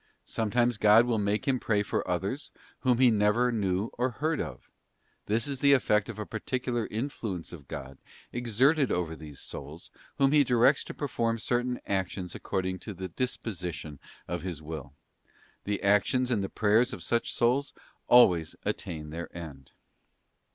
Sometimes God will make him pray for others, whom he never knew or heard of. This is the effect of a particular influence of God exerted over these souls, whom He directs to perform certain actions according to the dis position of His Will. The actions and the prayers of such souls always attain their end.